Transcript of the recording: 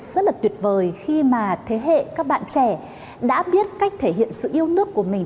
rất là tuyệt vời khi mà thế hệ các bạn trẻ đã biết cách thể hiện sự yêu nước của mình